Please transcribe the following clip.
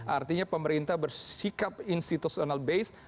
artinya pemerintah bersikap institutional based